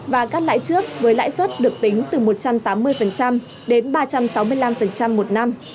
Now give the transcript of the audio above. và cắt lãi trước với lãi suất được tính từ một trăm tám mươi đến ba trăm sáu mươi năm một năm